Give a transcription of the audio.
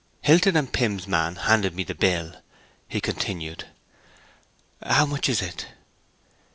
'Hilton and Pimm's man handed me the bill,' he continued. 'How much is it?'